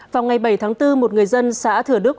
vào ngày bảy tháng bốn một người dân xã thừa đức